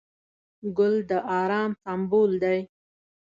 ګل د ارام سمبول دی.